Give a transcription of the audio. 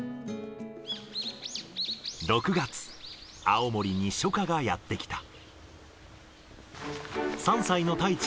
６月、青森に初夏がやって来た。